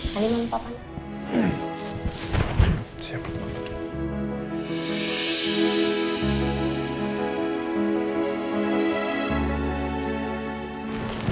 sampai jumpa pa